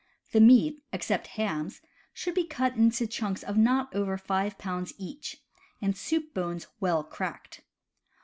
The meat (except hams) should be cut into chunks of not over five pounds each, and soup bones well cracked.